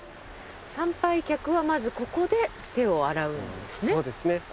参拝客はまずここで手を洗うんですね？